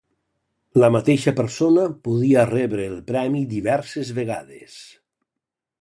La mateixa persona podia rebre el premi diverses vegades.